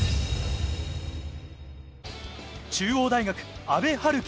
中央大学・阿部陽樹。